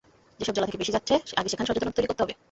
যেসব জেলা থেকে বেশি যাচ্ছে আগে সেখানে সচেতনতা তৈরি করতে হবে।